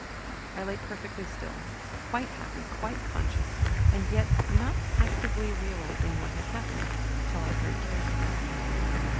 I lay perfectly still, quite happy, quite conscious, and yet not actively realizing what had happened till I heard Terry.